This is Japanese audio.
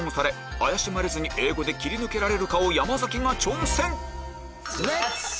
怪しまれずに英語で切り抜けられるかを山崎が挑戦